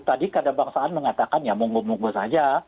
tadi kadang bangsaan mengatakan ya monggo monggo saja